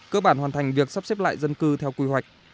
cơ bản hoàn thành việc sắp xếp lại dân cư theo quy hoạch